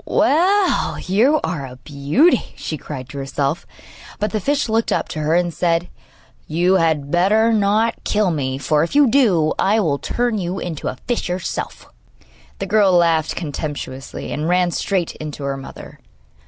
'Well, you are a beauty!' she cried to herself; but the fish looked up to her and said: 'You had better not kill me, for, if you do, I will turn you into a fish yourself!' The girl laughed contemptuously, and ran straight in to her mother.